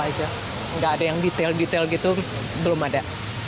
malah saja gak ada yang detail detail gitu belum ada